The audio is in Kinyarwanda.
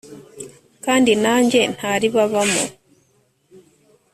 kandi nanjye ntaribabamo